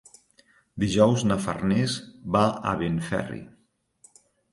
Dijous na Farners va a Benferri.